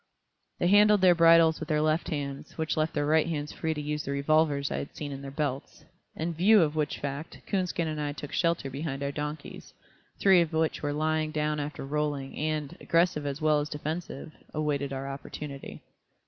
They handled their bridles with their left hands, which left their right hands free to use the revolvers I had seen in their belts; in view of which fact, Coonskin and I took shelter behind our donkeys, three of which were lying down after rolling, and, aggressive as well as defensive, awaited our opportunity.